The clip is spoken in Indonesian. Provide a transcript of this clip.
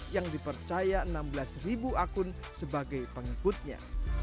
yang dipercaya enam belas ribu akun sebagai pengikutnya